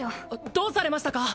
どうされましたか？